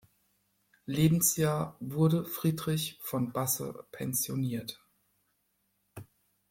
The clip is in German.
Lebensjahr wurde Friedrich von Basse pensioniert.